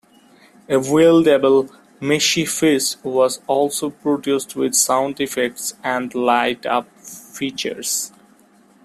A wield-able "Messiah Fist" was also produced with sound-effects and light-up features.